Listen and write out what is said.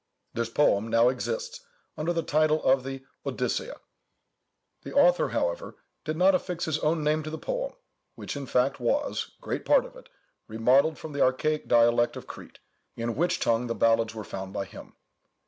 This poem now exists, under the title of the 'Odyssea.' The author, however, did not affix his own name to the poem, which, in fact, was, great part of it, remodelled from the archaic dialect of Crete, in which tongue the ballads were found by him.